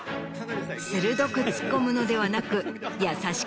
鋭くツッコむのではなく。